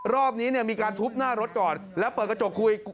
รอบนี้เนี่ยมีการทุบหน้ารถก่อนแล้วเปิดกระจกคุย